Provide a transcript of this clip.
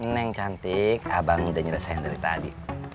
neng cantik abang udah nyelesain dari tadi